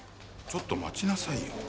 ちょっと待ちなさいよ。